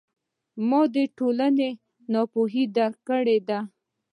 ما د ټولنې ناپوهي درک کړې ده.